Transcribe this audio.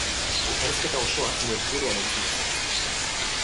Elkarrizketa osoa webgunean entzun dezakezue.